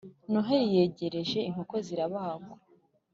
noheli yegereje inkoko zirabagwa